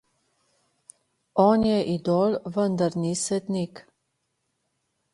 On je idol, vendar ni svetnik.